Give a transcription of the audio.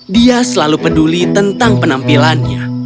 dia selalu peduli tentang penampilannya